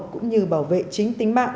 cũng như bảo vệ chính tính mạng